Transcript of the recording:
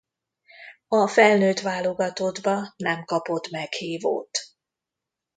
A felnőtt válogatottba nem kapott meghívót.